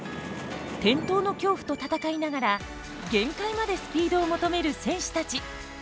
転倒の恐怖と戦いながら限界までスピードを求める選手たち。